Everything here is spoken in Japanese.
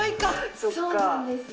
そうなんですよ。